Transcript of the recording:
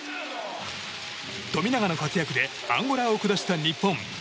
富永の活躍でアンゴラを下した日本。